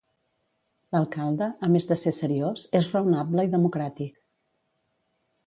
L'alcalde, a més de ser seriós és raonable i democràtic.